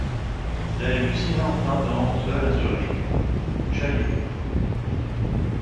Il a eu six enfants dont un seul a survécu, Chalybir.